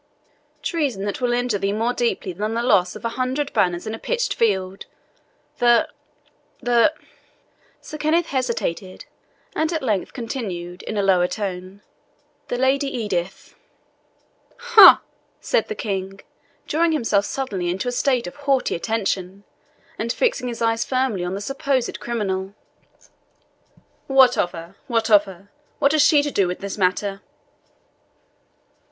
"Treason that will injure thee more deeply than the loss of a hundred banners in a pitched field. The the " Sir Kenneth hesitated, and at length continued, in a lower tone, "The Lady Edith " "Ha!" said the King, drawing himself suddenly into a state of haughty attention, and fixing his eye firmly on the supposed criminal; "what of her? what of her? What has she to do with this matter?"